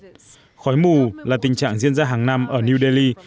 tình trạng khói mù là tình trạng diễn ra hàng năm ở new delhi